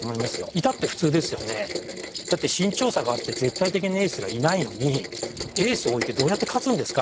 いたって普通ですよねだって身長差があって絶対的なエースがいないのにエースをおいてどうやって勝つんですか？